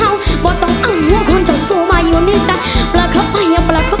อะไรดีกว่าสบายดารีย์้าเงินสดสบายปล่าและแย่แย่วเออนะ